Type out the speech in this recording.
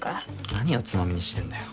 何をつまみにしてんだよ。